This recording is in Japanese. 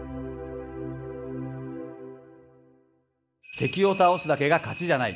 敵を倒すだけが勝ちじゃない。